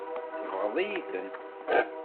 Tsebɣeḍ-iyi-ten.